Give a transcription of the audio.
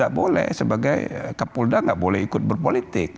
tidak boleh sebagai kapolda nggak boleh ikut berpolitik